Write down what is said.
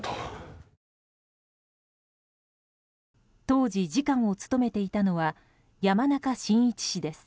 当時、次官を務めていたのは山中伸一氏です。